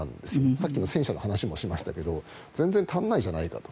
さっきの戦車の話もしましたが全然足りないじゃないかと。